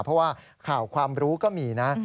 เพราะว่าข่าวความรู้ก็มีนะ